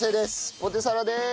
ポテサラでーす！